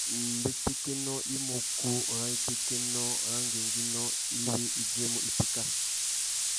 Mbétékénô i mú ukú râ itékénô râ ngüéngüinô iwí i djuêmú itéka.